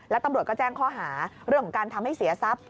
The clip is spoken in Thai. แล้วตำรวจก็แจ้งข้อหาเรื่องของการทำให้เสียทรัพย์